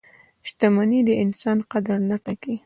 • شتمني د انسان قدر نه ټاکي.